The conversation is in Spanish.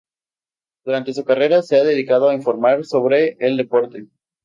Durante su carrera se ha dedicado a informar sobre el deporte.